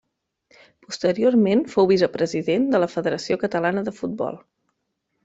Posteriorment fou vicepresident de la Federació Catalana de Futbol.